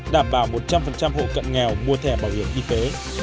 đảm bảo một trăm linh hộ cận nghèo mua thẻ bảo hiểm y tế